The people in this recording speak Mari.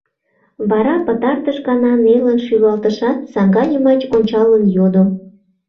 Вара пытартыш гана нелын шӱлалтышат, саҥга йымач ончалын йодо: